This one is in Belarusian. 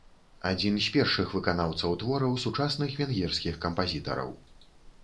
Адзін з першых выканаўцаў твораў сучасных венгерскіх кампазітараў.